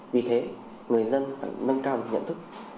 vì thế người dân phải nâng cao nhận thức